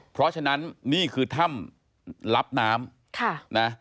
เพราะฉะนั้นนี่คือถ้ำรับน้ำ